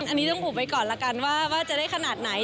อันนี้ต้องอุบไว้ก่อนละกันว่าจะได้ขนาดไหน